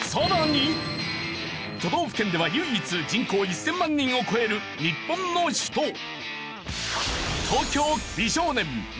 都道府県では唯一人口１０００万人を超える日本の首都。